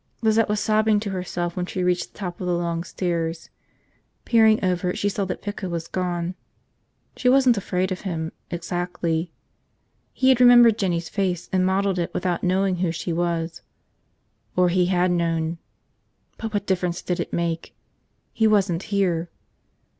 ... Lizette was sobbing to herself when she reached the top of the long stairs. Peering over, she saw that Pico was gone. She wasn't afraid of him, exactly. He had remembered Jinny's face and modeled it without knowing who she was. .. or he had known ... but what difference did it make? He wasn't here.